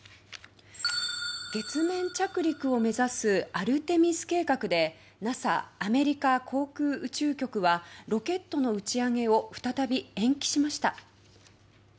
月面着陸を目指すアルテミス計画でＮＡＳＡ・アメリカ航空宇宙局はロケットの打ち上げを再び延期しました。